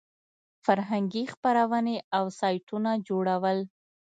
فرهنګي خپرونې او سایټونه جوړول.